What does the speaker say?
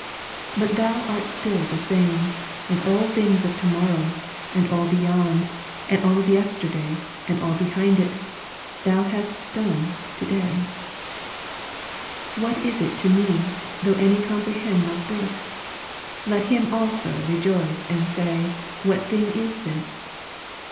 But Thou art still the same, and all things of to morrow, and all beyond, and all of yesterday, and all behind it. Thou wilt do in this To day, Thou hast done in this To day. What is it to me, though any comprehend not this'^? Let him also rejoice and Kx. 16, say, What thing is this?